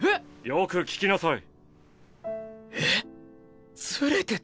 よく聴きなさい。